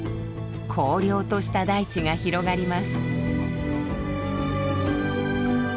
荒涼とした大地が広がります。